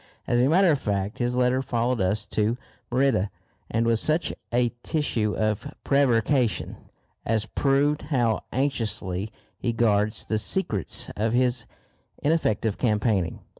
As a matter of fact his letter followed us to Merida, and was such a tissue of prevarication as proved how anxiously he guards the secrets of his ineffective campaigning.